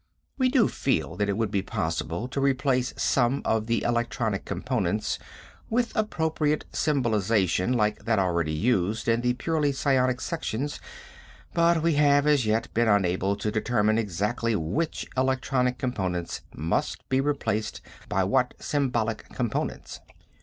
We do feel that it would be possible to replace some of the electronic components with appropriate symbolization like that already used in the purely psionic sections, but we have, as yet, been unable to determine exactly which electronic components must be replaced by what symbolic components."